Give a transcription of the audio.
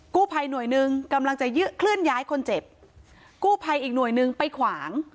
กู้ภัยหน่วยหนึ่งกำลังจะยื้อเคลื่อนย้ายคนเจ็บกู้ภัยอีกหน่วยหนึ่งไปขวาง